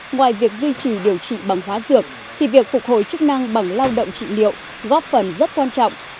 ngoài việc duy trì điều trị bằng hóa dược thì việc phục hồi chức năng bằng lao động trị liệu góp phần rất quan trọng